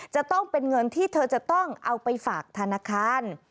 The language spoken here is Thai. จะต้องเป็นเงินที่เธอจะต้องเอาไปฝากธนาคาร